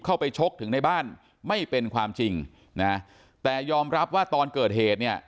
เข้าไปชกถึงในบ้านไม่เป็นความจริงนะแต่ยอมรับว่าตอนเกิดเหตุเนี่ย